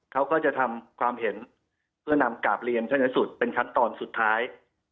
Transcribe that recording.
เขาก็จะทำความเห็นเพื่อนำกราบเรียนท่านสุดเป็นขั้นตอนสุดท้าย